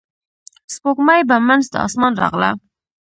سپوږمۍ په منځ د اسمان راغله.